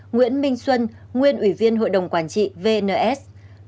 nguyễn minh xuân nguyên ủy viên hội đồng quản trị vns